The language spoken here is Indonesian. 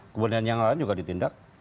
kemudian yang lain juga ditindak